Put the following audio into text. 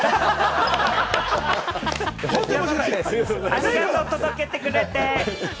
ありがとう、届けてくれて。